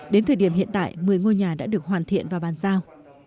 đến thời điểm hiện tại một mươi ngôi nhà đã được hoàn thiện và bàn giao